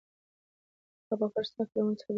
هغه خپله صافه له ونې څخه بېرته واخیسته.